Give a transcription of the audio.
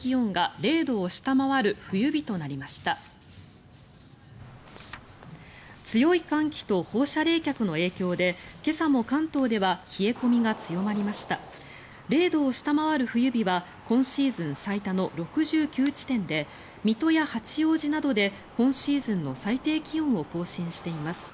０度を下回る冬日は今シーズン最多の６９地点で水戸や八王子などで今シーズンの最低気温を更新しています。